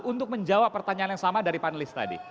untuk menjawab pertanyaan yang sama dari panelis tadi